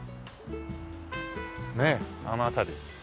ねえあの辺り。